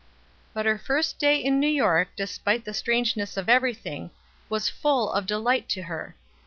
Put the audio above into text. But her first day in New York, despite the strangeness of everything, was full of delight to her.